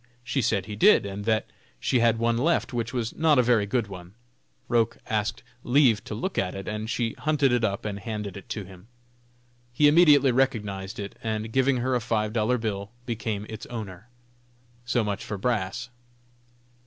She said he did, and that she had one left, which was not a very good one. Roch asked leave to look at it, and she hunted it up and handed it to him. He immediately recognized it, and giving her a five dollar bill, became its owner. So much for brass.